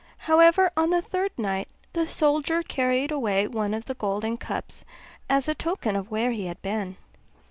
However, on the third night the soldier carried away one of the golden cups as a token of where he had been.